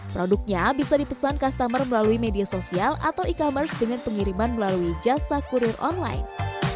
produknya bisa dipesan customer melalui media sosial atau e commerce dengan pengiriman melalui jasa kurir online